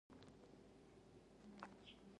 بامیان د افغانانو د ژوند طرز اغېزمنوي.